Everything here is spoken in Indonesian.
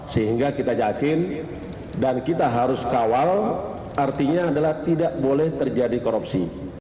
sehingga kita yakin dan kita harus kawal artinya adalah tidak boleh terjadi korupsi